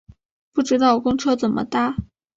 不知道公车怎么搭